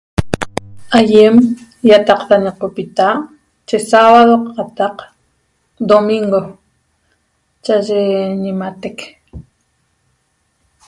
Aýem ýataqta ñoqopita yi sabado qataq domingo cha'aye ñimatec